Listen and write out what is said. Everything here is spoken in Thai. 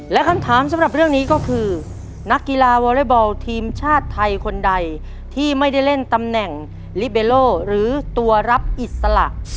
และคำถามสำหรับเรื่องนี้ก็คือนักกีฬาวอเล็กบอลทีมชาติไทยคนใดที่ไม่ได้เล่นตำแหน่งลิเบโลหรือตัวรับอิสระ